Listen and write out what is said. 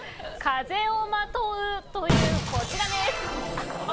風をまとうというこちら。